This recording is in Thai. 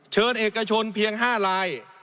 เชิญเอกชนเพียง๕ลาย